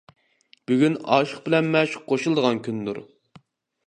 بۈگۈن ئاشىق بىلەن مەشۇق قوشۇلىدىغان كۈندۇر.